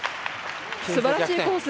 すばらしいコース。